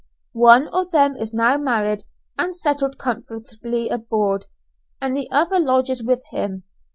One of them is now married and settled comfortably abroad, and the other lodges with him.